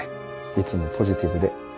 いつもポジティブで。